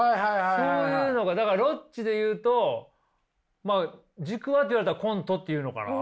そういうのがだからロッチで言うとまあ軸はって言われたらコントって言うのかな。